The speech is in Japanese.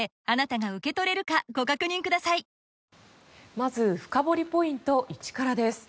まず深掘りポイント１からです。